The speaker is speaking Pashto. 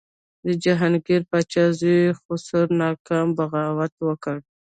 د جهانګیر پاچا زوی خسرو ناکام بغاوت وکړ.